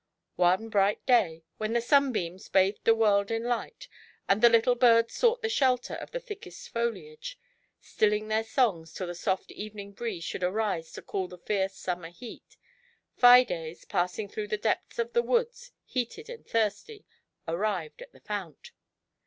One bright day when the sunbeams bathed the world in light, and the little birds sought the shelter of the thickest foliage, stilling their songs till the soft evening breeze should arise to cool the fierce summer he^t. Fides, passing through the depths of the woods heated and thirsty, arrived at the fount.